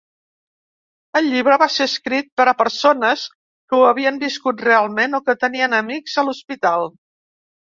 El llibre va ser escrit per a persones que ho havien viscut realment o que tenien amics a l'hospital.